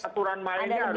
ya itu apa